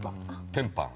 テンパン。